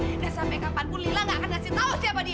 udah sampai kapanpun lila gak akan ngasih tau siapa dia